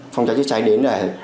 phòng cháy cháy cháy đến để